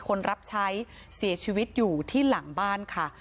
คนรับใช้เสียชีวิตอยู่ที่หลังบ้านค่ะ